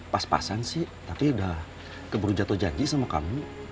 pas pasan sih tapi udah keburu jatuh janji sama kamu